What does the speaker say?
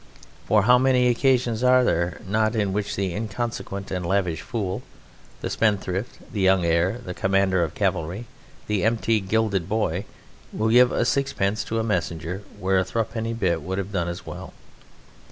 For how many occasions are there not in which the inconsequent and lavish fool, the spendthrift, the young heir, the commander of cavalry, the empty, gilded boy, will give a sixpence to a messenger where a thruppenny bit would have done as well?